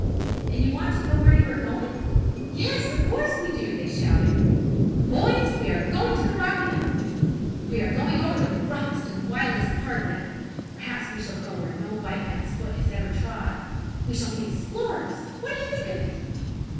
And you want to know where you are going?" "Yes, of course we do," they shouted. "Boys, we are going to the Rocky Mountains! We are going over the roughest and wildest part of them. Perhaps we shall go where no white man's foot ever has trod. We shall be explorers. What do you think of it?"